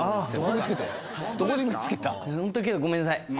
ホントごめんなさい。